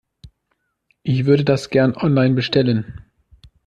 Ich würde das gerne online bestellen.